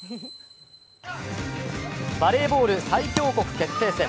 バレーボール最強国決定戦。